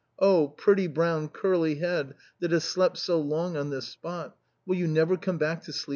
Oh! pretty brown curly head that has slept so long on this spot, will you never come back to sleep here again